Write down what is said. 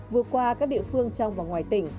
vừa qua các địa phương trong và ngoài tỉnh